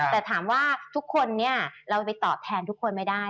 แต่ถามว่าทุกคนเนี่ยเราไปตอบแทนทุกคนไม่ได้